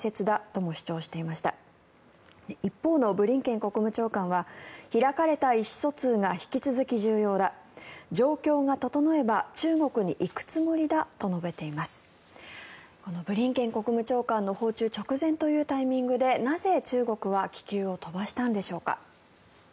このブリンケン国務長官の訪中直前というタイミングでなぜ、中国は気球を飛ばしたんでしょうか。